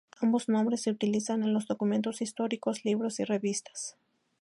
Ambos nombres se utilizan en los documentos históricos, libros y revistas.